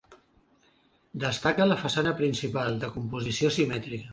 Destaca la façana principal, de composició simètrica.